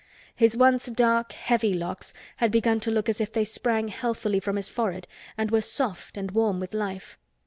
His once dark, heavy locks had begun to look as if they sprang healthily from his forehead and were soft and warm with life.